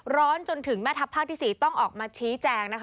จนถึงแม่ทัพภาคที่๔ต้องออกมาชี้แจงนะคะ